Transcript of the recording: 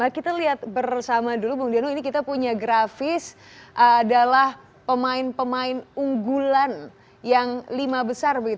kita lihat bersama dulu bung dianu ini kita punya grafis adalah pemain pemain unggulan yang lima besar